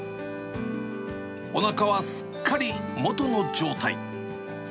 おなかはすっかり元の状態。